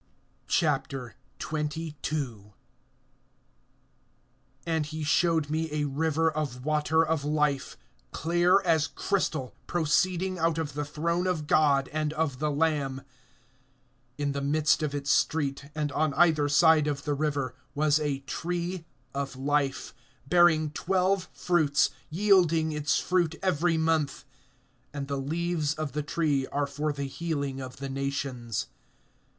XXII. AND he showed me a river of water of life, clear as crystal, proceeding out of the throne of God and of the Lamb. (2)In the midst of its street, and on either side of the river, was a tree of life, bearing twelve fruits, yielding its fruit every month; and the leaves of the tree are for the healing of the nations.